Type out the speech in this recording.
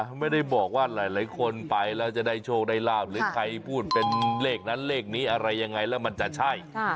ไม่ได้บอกว่าหลายคนไปแล้วจะได้โชคได้ลาบหรือใครพูดเป็นเลขนั้นเลขนี้อะไรยังไงแล้วมันจะใช่